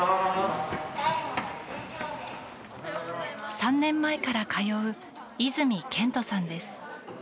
３年前から通う泉健斗さんです。